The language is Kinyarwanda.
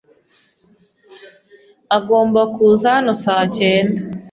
Agomba kuza hano saa cyenda.